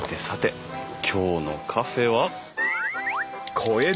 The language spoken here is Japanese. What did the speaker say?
今日のカフェは。